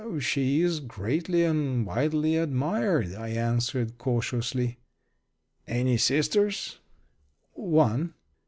"She is greatly and widely admired," I answered, cautiously. "Any sisters?" "One."